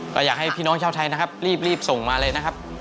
ก็อยากให้พี่น้องชาวไทยนะครับรีบส่งมาเลยนะครับ